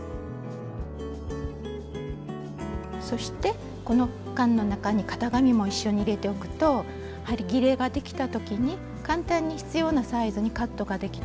そしてこの缶の中に型紙も一緒に入れておくとはぎれができた時に簡単に必要なサイズにカットができてとっても便利です。